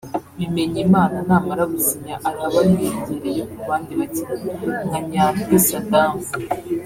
Bimenyimana namara gusinya araba yiyongereye ku bandi bakinnyi nka Nyandwi Saddam